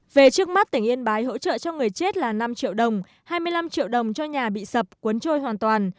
về trước mắt tỉnh yên bái hỗ trợ cho người chết là năm triệu đồng hai mươi năm triệu đồng cho nhà bị sập cuốn trôi hoàn toàn